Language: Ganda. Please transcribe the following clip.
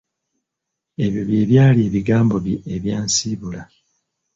Ebyo bye byali ebigambo bye ebyansiibula.